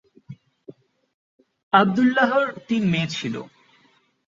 আবদুল্লাহর তিন মেয়ে ছিল।